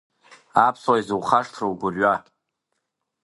Аԥсуа, изухашҭру угәырҩа?